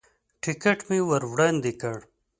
ټکټ مې ور وړاندې کړ.